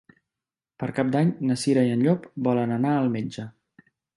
Per Cap d'Any na Cira i en Llop volen anar al metge.